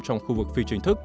trong khu vực phi chính thức